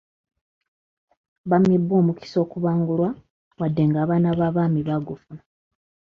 Bammibwa omukisa okubangulwa wadde ng'abaana b'abaami baagufuna.